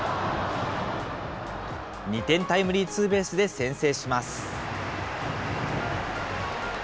２点タイムリーツーベースで先制します。